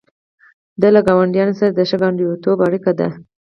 دا له ګاونډیانو سره د ښه ګاونډیتوب اړیکه ده.